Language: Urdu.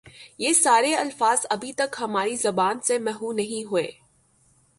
یہ سارے الفاظ ابھی تک ہماری زبان سے محو نہیں ہوئے